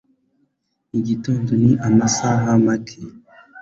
Igitondo ni amasaha make.